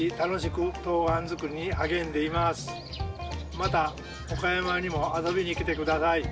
また岡山にも遊びに来て下さい。